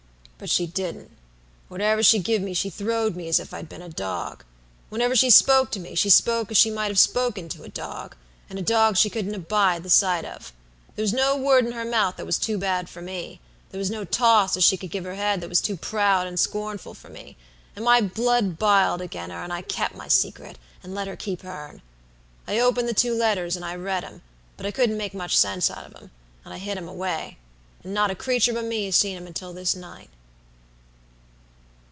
"But she didn't. Whatever she give me she throwed me as if I'd been a dog. Whenever she spoke to me, she spoke as she might have spoken to a dog; and a dog she couldn't abide the sight of. There was no word in her mouth that was too bad for me; there was no toss as she could give her head that was too proud and scornful for me; and my blood b'iled agen her, and I kep' my secret, and let her keep hern. I opened the two letters, and I read 'em, but I couldn't make much sense out of 'em, and I hid 'em away; and not a creature but me has seen 'em until this night."